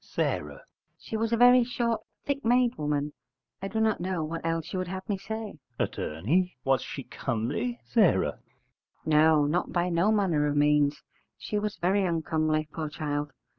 S. She was a very short thick made woman: I do not know what else you would have me say. Att. Was she comely? S. No, not by no manner of means: she was very uncomely, poor child!